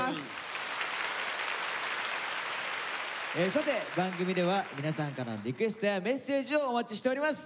さて番組では皆さんからのリクエストやメッセージをお待ちしております。